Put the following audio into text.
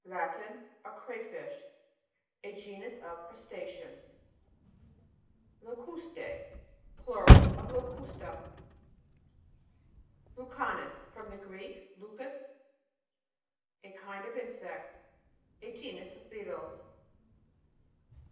Latin. A cray fish. A genus of crusta'ceans. LOCUS'T^E. Plural of Locusta. LUCA'NUS. From the Greek, lukos, a kind of insect. A genus of beetles.